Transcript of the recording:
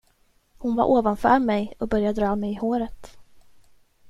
Hon var ovanför mig och började dra mig i håret.